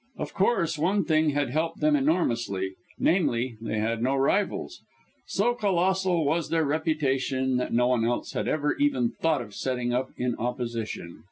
Of course one thing had helped them enormously namely, they had no rivals. So colossal was their reputation, that no one else had ever even thought of setting up in opposition.